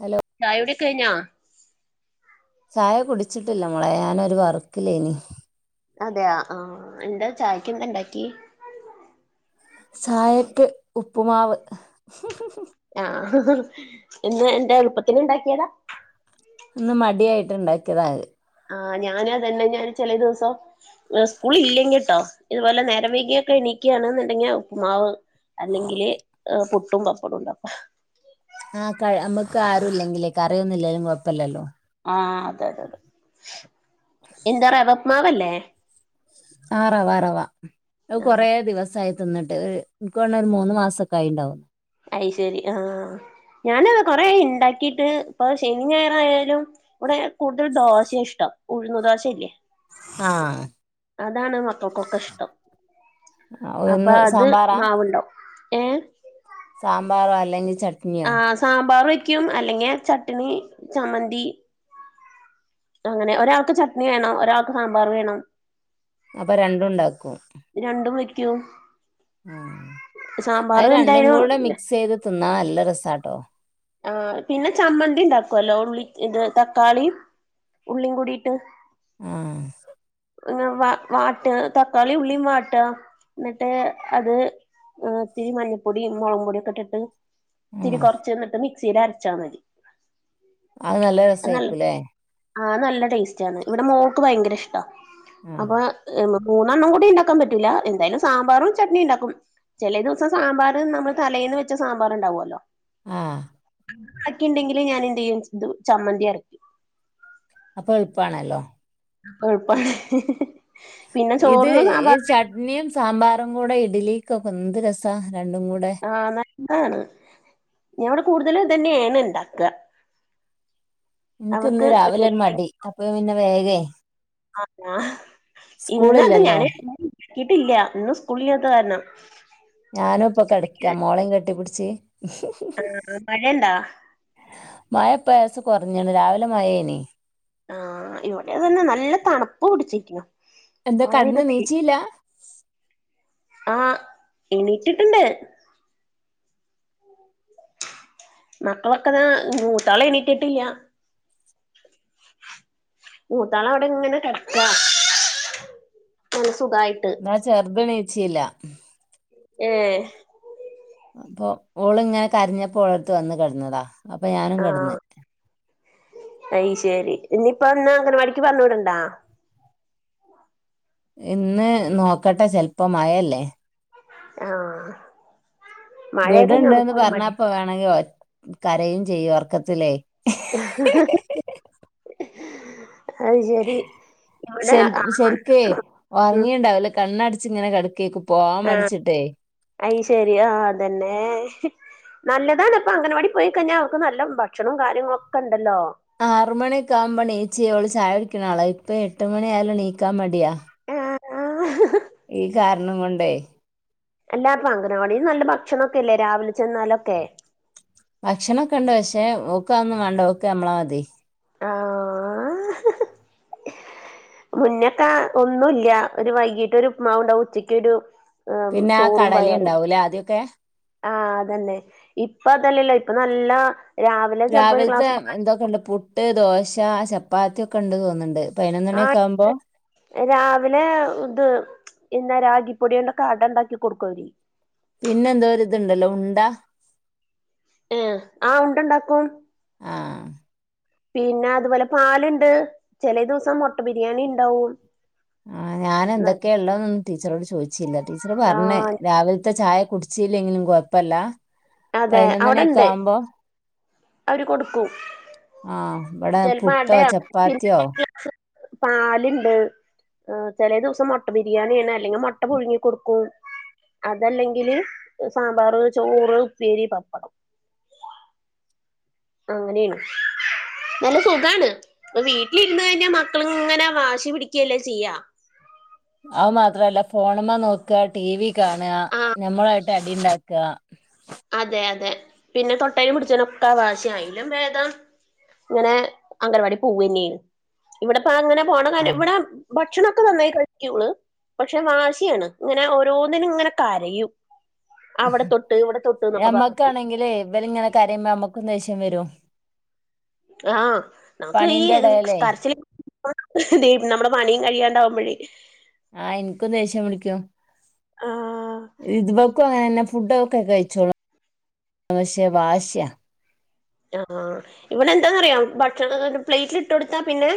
Hello ചായ യുടി ക്കഴിഞ്ഞാ? ചായ കുടിച്ചിട്ടില്ല മോളെ ഞാനൊരു വർക്കില്ലേ നി അതെയ ആഹ് എന്താ ചായക്ക് എന്ത്‌ണ്ടാക്കി ചായക്ക് ഉപ്പുമാവ് ഹ് ഹ് ആഹ് ഇന്ന് എന്താ എളുപ്പത്തിന് ഇണ്ടാക്കിയതാ ഇന്ന് മടിയായിട്ട് ഇണ്ടാക്കിയതാ അത് ആഹ് ഞാനതന്നെ ഞാൻ ചെലെ ദിവസം സ്കൂള് ഇല്ലെങ്കിട്ടോ ഇതുപോലെ നേരം വൈകിയൊക്കെ എണിക്കുകയാണെന്നുണ്ടെങ്കി ഉപ്പ്മാവ് അല്ലെങ്കില് ഹ് പുട്ടും പപ്പടോം ഉണ്ടാകും ആഹ് കയ് നമ്മക്ക് ആരും ഇല്ലെങ്കിലേ കറിയൊന്നും ഇല്ലേലും കൊഴപ്പില്ലല്ലോ ആഹ് അതെ അതെതെ എന്താ റവപ്പ്മാവല്ലേ ആഹ് റവ റവ ആഹ് കൊറേ ദിവസായി തിന്നിട്ട് ഒര് എനിക്ക് തോന്നണ് ഒരു മൂന്ന് മാസോക്കായിണ്ടാവും അയ്ശരി ആഹ് ഞാന് അതെ കൊറെ ആയി ഇണ്ടാക്കിട്ട് ഇപ്പൊ ശനി ഞായറ് ആയാലും ഇവിടെ കൂടുതൽ ദോശെ ഇഷ്ടം ഉഴ്ന്ന് ദോശയില്ലേ ആഹ് അതാണ് മക്കൾക്കൊക്കെ ഇഷ്ടം അപ്പ ഒന്ന് അത് സാമ്പാറാ മാവുണ്ടാവും ഏഹ് സാമ്പാറോ അല്ലെങ്കി ചട് ആഹ് സാമ്പാറ് വെയ്ക്കും അല്ലെങ്കി ചട്ണി ചമ്മന്തി അങ്ങനെ ഒരാക്ക് ചട്നി വേണം ഒരാക്ക് സാമ്പാറ് വേണം അപ്പ രണ്ടും ഉണ്ടാക്കും രണ്ടും വെയ്ക്കും ഉം അത് രണ്ടും എന്തായാലും കൂടെ മിക്സ് ചെയ്ത് തിന്നാ നല്ല രസാട്ടോ ആഹ് പിന്നെ ചമ്മന്തി ഉണ്ടാക്കുല്ലോ ഉള്ളി ഇത് തക്കാളീം ഉള്ളീം കൂടിട്ട് ആഹ് ഇങ്ങനെ വ വാട്ട്ക തക്കാളി ഉള്ളീം വാട്ട്കാ എന്നിട്ട് അത് ആഹ് ഇത്തിരി മഞ്ഞപ്പൊടിം മുളക്പൊടിക്ക ഇട്ടിട്ട് ഇത്തിരി ആഹ് കൊറച്ച് എനിട്ട് മിക്സില് അരച്ചാ മതി അത് നല്ല അത് നല്ല രസായിക്കുല്ലേ ആഹ് നല്ല ടേസ്റ്റ് ആന്ന് ഇവിടെ മോക്ക് ഭയങ്കര ഇഷ്ടാ ആഹ് അപ്പ അക് ഏ മം മൂന്നെണ്ണം കൂടി ഇണ്ടാക്കാൻ പറ്റൂല എന്തായാലും സാമ്പാറും ചട്നിം ഇണ്ടാക്കും ചെലെ ദിവസം സാമ്പാറ് നമ്മള് തലേന്ന് വെച്ച സാമ്പാറ്ണ്ടാകുവല്ലോ ആ ബാക്കി ഉണ്ടെങ്കില് ഞാൻ എന്ത് ചെയ്യും ഇത് ചമ്മന്തി അരയ്ക്കും അപ്പൊ എളുപ്പാണല്ലോ എളുപ്പാണ് ഹ് ഹ് പിന്നെ ചോറിനും സാമ്പാറന്നെ നിം സാമ്പാറും കൂടെ ഇഡ്ലിക്കൊക്കെ എന്ത് രസാ രണ്ടും കൂടെ ആഹ് നല്ലതാണ് ഞാനിവിടെ കൂടുതലും ഇതന്നേണ് ഇണ്ടാക എന്ക്ക് ഇന്ന് രാവിലെ ഒരു മടി അപ്പ പിന്നെ വേഗേ ആഹ് ഇന്ന് അത് സ്കൂളില്ലല്ലോ ഞാനേ [unintelligible] ക്കിട്ടില്യ ഇന്ന് സ്കൂളില്യാത്ത കാരണം ഞാനും ഇപ്പൊ കെടക്ക മോളേം കെട്ടിപ്പിടിച്ച് ആഹ് മഴെണ്ടാ മഴ ഇപ്പ ലേസം കൊറഞ്ഞെണ് രാവിലെ മഴേണ് ആഹ് ഇവിടെ അത് തന്നെ നല്ല തണുപ്പ് പിടിച്ചിക്ക്ണു എന്ത കടന്ന് നീച്ചില്ല ആ എണീറ്റിട്ടുണ്ട് മക്കളൊക്കെതാ മൂത്താള് എണിറ്റിട്ടില്ല മൂത്താള് അവിടെ ഇങ്ങനെ കിടക്കാ നല്ല സുഖായിട്ട് ആ ചെറ്തെണീച്ചില്ല ഏഹ് അപ്പൊ ഓള് ഇങ്ങനെ കരഞ്ഞപ്പോ ഓളടുത്ത് വന്ന് കിടന്നതാ അപ്പൊ ഞാനും കിടന്ന് ആഹ് അയ് ശെരി ഇനിയിപ്പ ഇന്ന് അംഗനവാടിക്ക് പറഞ്ഞു വിട്ണ്ട? ഇന്ന് നോക്കട്ടെ ചിലപ്പം മഴയല്ലേ.? ആഹാ. വീടുണ്ട് ന്ന് മടി പറഞ്ഞപ്പ വേണെങ്കിൽ കരയും ചെയ്യും ഉറക്കത്തിലെ അത് ശരി ഇവിടെ ശൽ ശരിക്കേ ആഹ് ഉറങ്ങിയുണ്ടാവില്ല കണ്ണടച്ച്ങ്ങനെ കടക്കേക്കും. പോവാം മടിച്ചിട്ടേ. അയ് ശരി ആ അതെതന്നെ. നല്ലതാണ് ഇപ്പൊ അംഗൻവാടി പോയി കഴിഞ്ഞാൽ അവർക്ക് നല്ല ഭക്ഷണോ കാര്യങ്ങള് ഒക്കെ ഉണ്ടല്ലോ. ആറ മണിയക്ക ആകുമ്പോൾ നീച്ചി ഓള് ചായ കുടിക്കുന്ന ആളാ ഇപ്പൊ എട്ട് മണിയ ആയാലോ നീക്കാൻ മടിയാ ആഹ ആഹാ... ഈ കാരണം കൊണ്ടേ. അല്ല പ്പൊ അംഗനവാടി നല്ല ഭക്ഷണൊക്കെ അല്ലേ രാവിലെ ചെന്നാലൊക്കെ ഭക്ഷണൊക്കെ ഉണ്ട് പക്ഷേ ഓക്ക് അത് ഒന്നും വേണ്ട ഓക്കെ നമ്മളെ മതി ആഹാ.. മുന്നേക്കെ ഒന്നുമല്ല ഒരു വൈകീട്ട് ഒരു ഉപ്പുമാവ് ഉണ്ടാകും ഉച്ചക്കൊരു- പിന്നെ ആ ചോറും പയറും. കടലയിണ്ടാവൂലേ ആദ്യൊക്കെ ആഹ അതന്നെ ഇപ്പ അതല്ലല്ലോ ഇപ്പ നല്ല രാവിലെ ചെലപ്പോ ഒരു രാവില്ത്തെ ഗ്ലാസ് ന്തൊക്കെണ്ട്? പു പുട്ട്, ദോശ, ചപ്പാത്തി ഒക്കെ ഉണ്ട് തോന്ന്ണ്ട് പയിനെന്ന് മണി ഒക്കെ ആകുമ്പോ. രാവിലെ ഇത് എന്നന്നാ രാഗിപ്പൊടിയണ്ടൊക്കെ അട ഉണ്ടാക്കി കൊടുക്കൂ. പിന്നെ എന്തോഒര് ഇതുണ്ടല്ലോ ഉണ്ട- ഏഹ് ആഹ് ഉണ്ടണ്ടാക്കും. ആ.. പിന്നെ അതുപോലെ പാലുണ്ട് ചില ദിവസം മുട്ട ബിരിയാണി ഉണ്ടാവും. ആ ഞാൻ എന്തൊക്കെയ ഉള്ളന്നൊന്നും ടീച്ചറോട് ചോദിച്ചില്ല ടീച്ചറ് പറഞ്ഞേ- ആഹ് രാവിലത്തെ ചായ കുടിച്ചല്ലെങ്കിലും കൊഴപ്പല്ല അതെ പതിനൊന്ന് മണിയൊക്കെ അവിടെണ്ട് ആവുമ്പോ. അവര് കൊടുക്കും ആഹ് ഇവിടെ ചിലപ്പോ പുട്ടോ അടയാ [inaudible] ചപ്പാത്തിയോ പാലുണ്ട്. ആ ചില ദിവസം മുട്ടബിരിയാണിയാണ് അല്ലെങ്കിൽ മൊട്ട പുഴുങ്ങി കൊടുക്കും. അതല്ലെങ്കില് സാമ്പാർ, ചോറ്, ഉപ്പേരി, പപ്പടം. അങ്ങനെയാണ് നല്ല സുഖാണ് ഇപ്പ വീട്ടിലിരുന്ന് കഴിഞ്ഞാൽ മക്കള ഇങ്ങനെ വാശി പിടിക്കുകല്ലേ ചെയ്യാ. അത് മാത്രല്ല ഫോണമ്മ നോക്കുക ടി വി കാണുക ആഹ് ഞമ്മളായിട്ട് അടി ഉണ്ടാക്കുക അതെ അതെ പിന്നെ തൊട്ടേൽ പിടിച്ചനൊക്കെ വാശിയാണ് അതിലും ഭേദം ഇങ്ങനെ അംഗൻവാടി പൂവ തന്നെ ഇവിടെപ്പ അങ്ങനെ പോണ കാര്യം ആഹ് ഇവിടെ ഭക്ഷണമൊക്കെ നന്നായി കഴിക്കും ഓള് പക്ഷെ വാശിയാണ് ഇങ്ങനെ ഓരോന്നിനും ഇങ്ങനെ കരയും അവിടെ തൊട്ട് ഇവിടെ തൊ യമ്മക്കാണെങ്കിൽ ഇവർ ഇങ്ങനെ കരയുമ്പ നമ്മക്കും ദേഷ്യം വരും. ആഹ നമ്മുക്ക് ഈ പണീന്റെ ഇടയിലേ കരിച്ചില്- ദേ നമ്മുടെ പണിയും കഴിയാണ്ടാവുമ്പോഴേ ആഹ് എനിക്കും ദേഷ്യം പിടിക്കും ആഹ് ഇതുബക്കും അങ്ങനെന്നെ ഫുഡൊക്കെ കഴിച്ചോളൂ പക്ഷേ വാശിയ ആഹ് ഇവിടെ എന്താന്നറിയാം ഭക്ഷണം കേ പ്ലേറ്റിൽ ഇട്ട് കൊടുത്താ പിന്നെ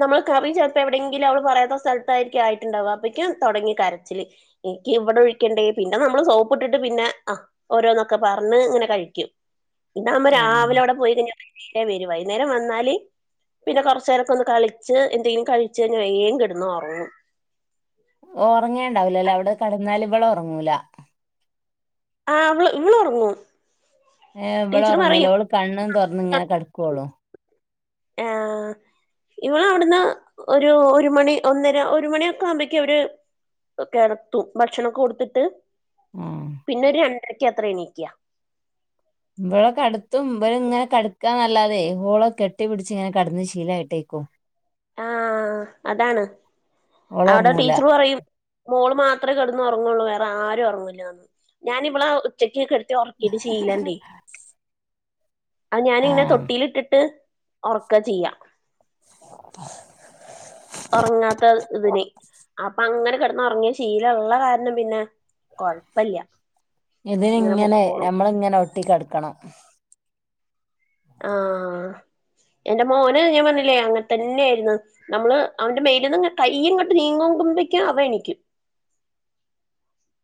നമ്മള് കറി ചിലപ്പോ എവിടെങ്കിലും അവള് പറയാത്ത സ്ഥലത്തായിരിക്കും ആയിട്ടുണ്ടാവാ അപ്പേഴക്കും തുടങ്ങി കരച്ചില്. എനിക്ക് ഇവിടെ ഒഴിക്കണ്ടേ പിന്നെ നമ്മള് സോപ്പ് ഇട്ടിട്ട് പിന്നെ ആ ഓരോന്നൊക്കെ പറഞ്ഞ് ഇങ്ങനെ കഴിക്കും പിന്നെ ന ആഹ് രാവിലെ അവിടെ പോയി കഴിഞ്ഞ പിന്നിട്ട് വരു വൈന്നേരം വന്നാല് പിന്നെ കുറച്ച നേരാക്കെ ഒന്ന് കളിച്ച് എന്തെങ്കിലും കഴിഞ്ഞ് വേഗം കിടന്ന് ഉറങ്ങും. ഉറങ്ങേണ്ടാവില്ലല്ലോ അവിടെ കടന്നാലും ഇവള് ഉറങ്ങൂല്ല. ആ അവള് ഇവള് ഉറങ്ങും ഏ് ടീച്ചർ ഇവിളറങ്ങുലാ പറയും ഓള് കണ്ണും തുറന്ന് ഇങ്ങനെ കിടക്കുവുള്ളൂ ഏഹ് ഇവള് ഇവിടുന്ന് ഒരു ഒരു മണി ഒന്നര ഒരു മണിയൊക്കെ ആവുമ്പോക്കും അവര് കെടത്തും ഭക്ഷണൊക്കെ കൊടുത്തിട്ട് മ് പിന്നെ ഒരു രണ്ടരക്ക് അത്ര എണീക്ക ഇപ്പളെ കടത്തും ഇപ്പൾ ഇങ്ങനെ കടക്കാന്ന് അല്ലാതെ ഓളെ കെട്ടി പിടിച്ച് ഇങ്ങനെ കടന്ന് ശീലയിട്ടെകും ആഹ് അതാണ് ഓള് അവിടെ ഉറങ്ങൂല ടീച്ചർ പറയും മോള് മാത്രമേ കിടന്ന് ഉറങ്ങുള്ളൂ വേറെ ആരും ഉറങ്ങൂല്ലന്ന് ഞാനിവിള ഉച്ചക്കെ കെടത്തി ഉറക്കിയിട്ട് ശീലണ്ടേ അത് ആ ഞാനിങ്ങനെ തൊട്ടിൽട്ടിട്ട് ഉറക്ക ചെയ്യ [inaudible] ഉറങ്ങാത്ത ഇതിന് അപ്പൊ അങ്ങനെ കിടന്ന് ഉറങ്ങിയ ശീലള്ള കാരണം പിന്നെ നോക കൊയപ്പല്യ ഇതി ഇങ്ങനെ നമ്മളിങ്ങനെ ഒട്ടിക്കടക്കണം ആഹ് എന്റെ മോന് ഞാൻ പറഞ്ഞില്ലേ അങ്ങനെ തന്നെയായിരുന്ന് നമ്മള് അവന്റെ മേല നിന്ന് കയ്യ് ഇങ്ങോട്ട് നീങ്ങകുമ്പോക്കും അവൻ എണിക്കും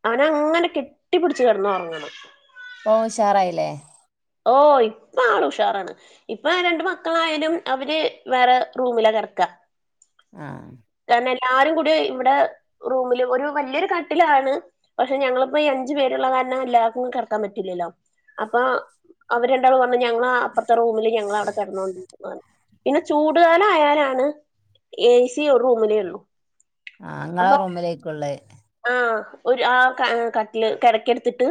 അവനെ അങ്ങനെ കെട്ടിപ്പിടിച്ച് കിടന്നുറങ്ങണം ഇപ്പോ ഓൻ ഉഷാറായില്ലേ ഓ ഇപ്പ ആള് ഉഷാറാണ് ഇപ്പൊ രണ്ട് മക്കളായാലും അവര് വേറെ റൂമില കെടക്ക ആഹ് കാരണം എല്ലാരും കൂടി ഇവിടെ റൂമില് ഒരു വല്യൊരു കട്ടിലാണ് പക്ഷെ ഞങ്ങളിപ്പോ ഈ അഞ്ചു പേരുള്ള കാരണം എല്ലാർക്കും കൂടി കിടക്കാൻ പറ്റില്ലല്ലോ അപ്പൊ അവര്ണ്ടാള് പറഞ്ഞ ഞങ്ങള് അപ്പറത്തെ റൂമില് ഞങ്ങള അവിടെ കെടന്നോണ്ട്ഇരിക്കുവാന്ന് പിന്നെ ചൂടുകാല ആയാലാണ് ഏ സി ഒരു റൂമിലേ ഉള്ളൂ ആന്നാ അപ്പൊ റൂമിലേക്കുള്ളേ ആഹ് ഒരു ആഹ് കട്ടില് കേടാകാഎടുത്ണ്ട്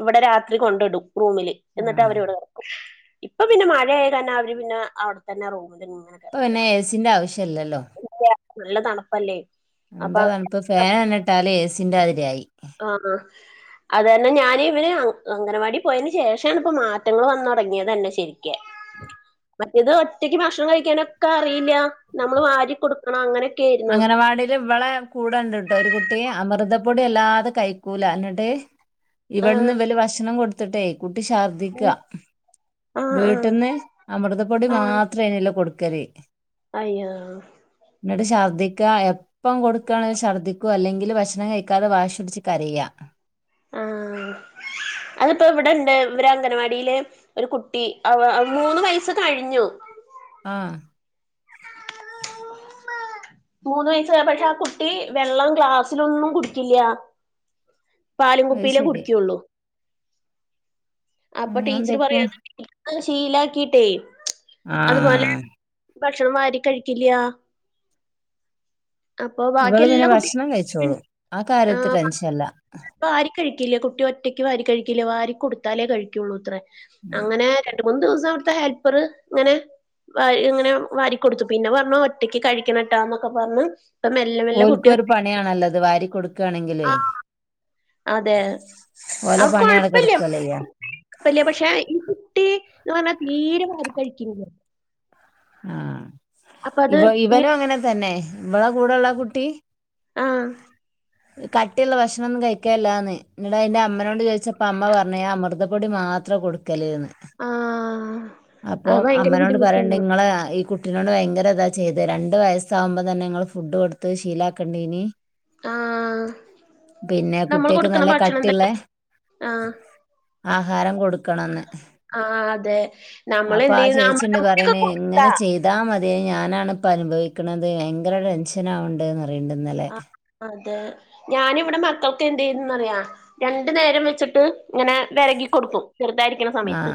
ഇവിടെ രാത്രി കൊണ്ടിടും റൂമില് ആ എന്നിട്ട് അവരിവിടെ കെടക്കും ഇപ്പൊ പിന്നെ മഴയ കാരണം അവര് പിന്നെ അവിടെത്തന്നെ റൂമിൽ ഇങ്ങന ഇപ്പൊ പിന്നെ ഏ സീന്റെ ആവശ്യവില്ലല്ലോ ഇല്ല്യ നല്ല തണുപ്പല്ലേ അപ്പൊ എന്താ തണുപ്പ് ഫാൻ ഒന്ന്‌ ഇട്ടാല് ഏ സീന്റെ അതിരായി ആഹ് ആ അത്തന്നെ ഞാന് ഇവന് അംഗനവാടി പോയന് ശേഷണ ഇപ്പ മാറ്റങ്ങൾ വന്ന് തുടങ്ങിയത് തന്നെ ശരിക്കേ മറ്റേത് ഒറ്റക്ക് ഭക്ഷണം കഴിക്കാനൊക്കെ അറിയില്ല നമ്മൾ വാരി കൊടു ക്കണോ അങ്ങനൊക്കെ അങ്ങനവാടിൽ ഇവളെ കൂടണ്ട്ട്ടോ ഒരു കുട്ടി അമൃതപ്പൊടി അല്ലാതെ കഴിക്കൂല എന്നിട്ട് ഇവിടുന്ന് ആഹ് ഇവല് ഭക്ഷണം കൊടുത്തിട്ടെ കുട്ടി ശർദിക്കാ ആഹ് ആഹ് വീട്ടിന്ന് അമൃതപ്പൊടി ആഹ് മാത്രയനുള്ള കൊടുക്കല് അയ്യോ ന്നട്ട് ചർ ശർധിക്ക എപ്പം കൊടുക്കുകയാണെങ്കിലും ശഛദ്ദിക്കു അല്ലെങ്കിൽ ഭക്ഷണം കഴിക്കാതെ വാശി പിടിച്ച് കരയ്യ ആഹ് അതിപ്പോ ഇവിടെണ്ട് ഇവരെ അംഗൻവാടിയിലെ ഒരു കുട്ടി മൂന്ന് വയസ്സ് കഴിഞ്ഞു ആഹ് മൂന്ന് വയസ്സ് പക്ഷെ ആ കുട്ടി വെള്ളം ഗ്ലാസ്സിലൊന്നും കുടിക്കില്ല പാലും അത് കുപ്പിലേ ശരി. കുടിക്കുകയുള്ളൂ അപ്പൊ ടീച്ചർ ഞാനെന്തേക്കും പറയും ശീലാക്കിട്ടേ അതുപോലെ ആഹ് ഭക്ഷണം വാരി കഴിക്കില്ല്യ. അപ്പൊ ബാക്കി ഇവള് എല്ലാ പിന്നെ കുട്ടിക ഭക്ഷണം കഴിച്ചോളും. ആ കാര്യത്തി ടെൻഷൻല്ല. പ്പ ആര് കഴിക്കില്ലേ കുട്ടി ഒറ്റക്ക് വാരി കഴിക്കില്ലേ വാരി കൊടുത്താലേ കഴിക്കുള്ളൂത്രേ അങ്ങനെ രണ്ട് മൂന്ന് ദിവസം അവിടുത്തെ ഹെൽപ്പർ ഇങ്ങനെ വരി ഇങ്ങനെ വാരി കൊൊടുത്തു പിന്നെ പറഞ്ഞു ഒറ്റക്ക് കഴിക്കണട്ടാന്നൊക്കെ പറഞ്ഞ് ഇപ്പ മെല്ലെ മെല്ലെ കുട്ടി ഓൽക്കൊരു ഒറ്റയ്ക്ക് പണിയാണല്ലത് വാരി കൊടുക്കാണെങ്കിലേ. ആ അതെ ഓലെ അവർക്ക് പണി അവിടെ കൊഴപ്പില്ല. കെടക്കല്ലയ്യ. വല്യ പക്ഷെ ഈ കുട്ടി എന്ന് പറഞ്ഞാ തീരെ വാരി കഴിക്കണില്ല. ആഹ് അപ്പ അത് ഇവ പിന്നെ ഇവനും അങ്ങനെ തന്നെ. ഇവള കൂടെള്ള കുട്ടി. ആഹ്. കട്ടിയുള്ള ഭക്ഷണൊന്നും കഴിക്കല്ലാന്ന് നിടാ അതിന്റെ അമ്മനോട് ചോദിച്ചപ്പോ അമ്മ പറഞ്ഞു അമൃത പ്പൊടി മാത്രം കൊടുക്കല്ന്ന് ആ അപ്പൊ അത് ഭയങ്കര അമ്മനോട് പറയണ്ടെ ബുദ്ധിമുട്ടാണ്. ഇങ്ങളെ ഈ കു കുട്ടിനോട് ഭയങ്കര ഇതാ ചെയ്തെ രണ്ട് വയസ്സാവുമ്പോം തന്നെ ഇങ്ങള് ഫുഡ് കൊടുത്ത് ശീലാക്കേണ്ടീനി. ആ. പിന്നെ നമ്മള് കുട്ടിയാക്ക് കൊടുക്കണ നല്ല ഭക്ഷണം കട്ടിയി തന്നെ ള്ളേ ആ ആഹാരം കൊടുക്കണംന്ന്. ആ അതെ. നമ്മളെന്ത്യയുന്ന അമൃതം പൊടിക്കെ കൊടുത്താ? ഇതാ മതി ഞാനാണ്പ്പ അനുഭവിക്കണത് ഭയങ്കര ടെൻഷനാവണ്ട്ന്ന്റ പറണ്ടന്നലെ. ആഹ് അതെ. ഞാനിവിടെ മക്കൾക്ക് എന്ത് ചെയ്ന്നെന്നറിയ. രണ്ടു നേരം വെച്ചിട്ട് ഇങ്ങനെ വെരകിക്കൊടുക്കും ചെറുതായിരി ക്കണ ആ സമയത്ത്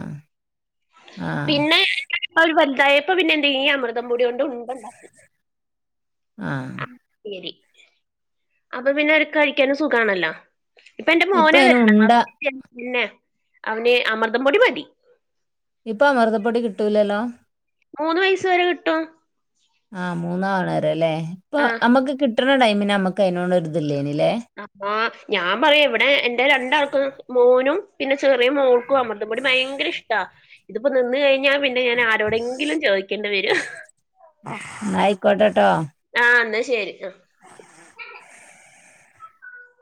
ആ പിന്നെ രിപ്പ അവര് വല്തായപ്പ പിന്നെ എന്തെ ഈ അമൃതം പോടി കൊണ്ട് ഉണ്ടണ്ടാക്കി. ആഹ് ശരി അപ്പൊ പിന്നെ അവര് കഴിക്കാനും സുഖാണല്ലോ. ഇപ്പ എന്റെ ഇപ്പൊ മോനെ അതിന് വരണ് ഉണ്ട പിന്നെ അവന് അമൃതം പൊടി മതി ഇപ്പ അമൃതപ്പൊടി കിട്ടൂലല്ലോ? മൂന്ന് വയസ് വരെ കിട്ടും. ആഹ് മൂന്നാവണര അല്ലേ ഇപ്പൊ ആ നമ്മക്ക് കി പെട്ട ടൈമിന് നമുക്ക് അതിനോട് ഒരുഇത്‌ ഇല്ലയ്ന്ല്ലേ ആ ഞാൻ പറയാ ഇവിടെ എന്റെ രണ്ടാൾക്ക് മോനും പിന്നെ ചെറിയ മോൾക്കും അമൃതപെടി ഭയങ്കര ഇഷ്ട ഇതിപ്പോ നിന്ന് കഴിഞ്ഞാ പിന്നെ ഞാൻ ആരോടെങ്കിലും ചോദിക്കേണ്ടി വരും. നആയികൊട്ടട്ടോ അഎന്നാ ശരി അ